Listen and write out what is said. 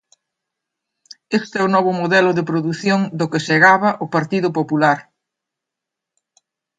Este é o novo modelo de produción do que se gaba o Partido Popular.